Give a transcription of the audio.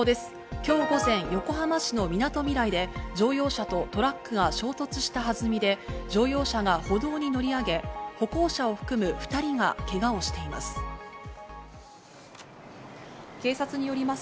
今日午前、横浜市のみなとみらいで乗用車とトラックが衝突したはずみで乗用車が歩道に乗り上げ歩行者を含む２人がけがをしています。